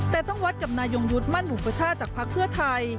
แต่ต้องวัดกับนายงยุทธ์มั่นอุปชาติจากภักดิ์เพื่อไทย